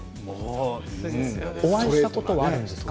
お会いしたことはあるんですか。